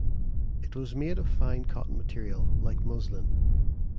It was made of fine cotton material like muslin.